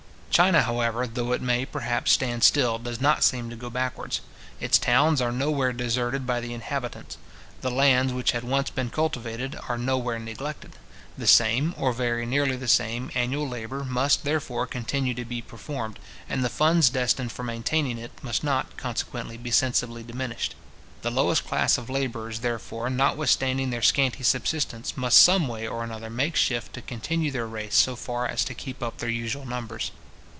China, however, though it may, perhaps, stand still, does not seem to go backwards. Its towns are nowhere deserted by their inhabitants. The lands which had once been cultivated, are nowhere neglected. The same, or very nearly the same, annual labour, must, therefore, continue to be performed, and the funds destined for maintaining it must not, consequently, be sensibly diminished. The lowest class of labourers, therefore, notwithstanding their scanty subsistence, must some way or another make shift to continue their race so far as to keep up their usual numbers.